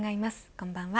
こんばんは。